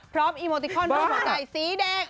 พร้อมอีโมติคอลด้วยหัวใจสีแดง